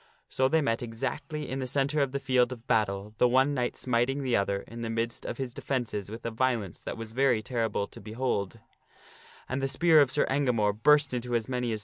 So they met exactly in the centre of the field of battle, the one knight smiting the other in the midst . of his defences with a violence that was very terrible to throws Sir En behold. And the spear of Sir Engamore burst into as many gamore.